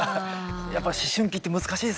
やっぱ思春期って難しいですよね。